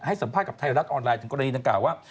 ให้สัมภาษณ์กับไทยรัฐออนไลน์จนกรณีต่างกายว่า